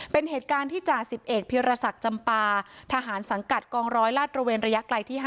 เป็นเหตุการณ์ที่จ่าสิบเอกพิรศักดิ์จำปาทหารสังกัดกองร้อยลาดระเวนระยะไกลที่๕